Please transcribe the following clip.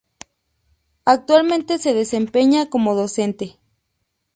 Actualmente se desempeña como docente.